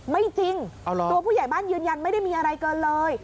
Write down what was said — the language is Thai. ไม่จริงตัวผู้ใหญ่บ้านยืนยันไม่ได้มีอะไรเกินเลย